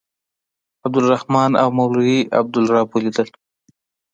عبدالرحمن او مولوي عبدالرب ولیدل.